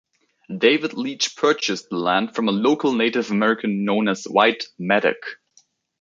David Leech purchased the land from a local Native American known as White Maddock.